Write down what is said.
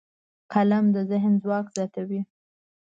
قلم د ذهن ځواک زیاتوي